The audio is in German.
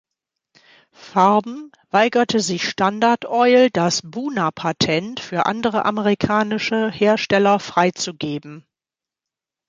Farben weigerte sich Standard Oil, das Buna-Patent für andere amerikanische Hersteller freizugeben.